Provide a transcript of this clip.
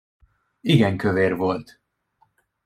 Igen kövér volt.